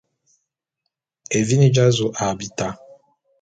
Evini dja’azu a bita.